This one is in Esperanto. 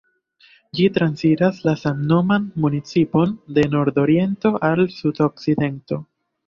Ĝi transiras la samnoman municipon de nordoriento al sudokcidento.